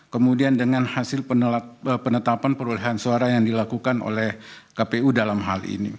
kemudian dengan hasil penetapan perolehan suara yang dilakukan oleh kpu dalam hal ini